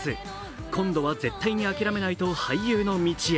今度は絶対に諦めないと俳優の道へ。